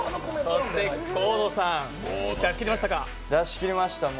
河野さん、出し切りましたか？